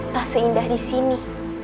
tak seindah disini